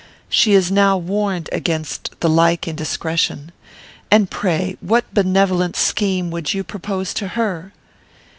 She is now warned against the like indiscretion. And, pray, what benevolent scheme would you propose to her?"